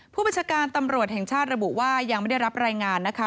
ผู้บัญชาการตำรวจแห่งชาติระบุว่ายังไม่ได้รับรายงานนะคะ